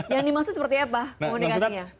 yang dimaksud seperti apa komunikasinya